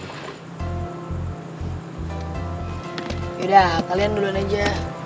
yaudah kalian duluan aja